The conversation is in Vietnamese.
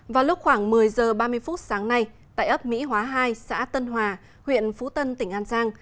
vào lúc khoảng một mươi h ba mươi phút sáng nay tại ấp mỹ hóa hai xã tân hòa huyện phú tân tỉnh an giang